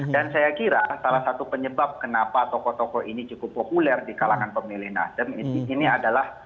saya kira salah satu penyebab kenapa tokoh tokoh ini cukup populer di kalangan pemilih nasdem ini adalah